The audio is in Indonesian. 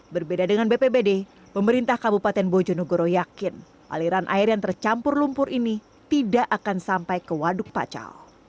berbeda dengan bpbd pemerintah kabupaten bojonegoro yakin aliran air yang tercampur lumpur ini tidak akan sampai ke waduk pacal